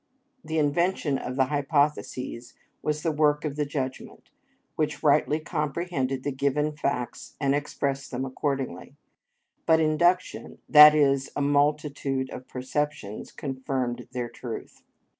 The invention of the hypotheses was the work of the judgment, which rightly comprehended the given facts and expressed them accordingly; but induction, that is, a multitude of perceptions, confirmed their truth.